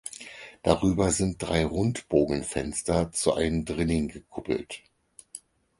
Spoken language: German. Darüber sind drei Rundbogenfenster zu einem Drilling gekuppelt.